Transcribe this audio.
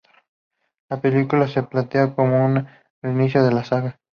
La película se plantea como un reinicio de la saga.